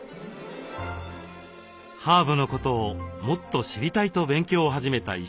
ハーブのことをもっと知りたいと勉強を始めた石井さん。